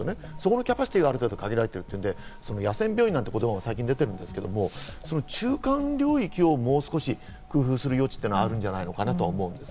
キャパシティーがある程度限られているので、野戦病院なんて言葉も最近出ていますが、中間領域をもう少し工夫する余地っていうのはあるんじゃないかなと思うんです。